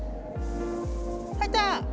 入った！